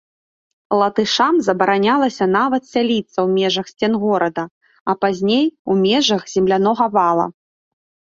Латышам забаранялася нават сяліцца ў межах сцен горада, а пазней, у межах землянога вала.